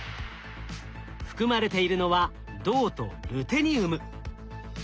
含まれているのは銅とルテニウム。